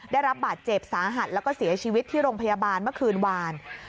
ได้รับบาดเจ็บสาหัสแล้วก็เสียชีวิตที่โรงพยาบาลเมื่อคืนวาน